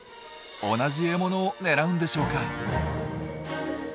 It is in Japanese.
同じ獲物を狙うんでしょうか？